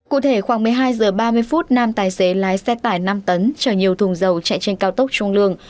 cụ thể khoảng một mươi hai h ba mươi phút nam tài xế lái xe tải năm tấn chở nhiều thùng dầu chạy trên cao tốc trung lương